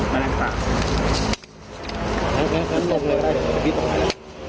ลงเลยก็ได้